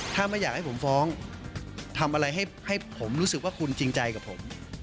ถ้าไม่อยากให้ผมฟ้องทำอะไรให้ผมรู้สึกว่าคุณจริงใจกับผม